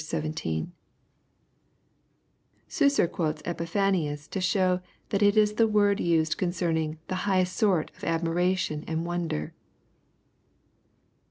Suicer quotes Epiphanius to show that it is the word used concerning " the highest sort of admiration or wonder."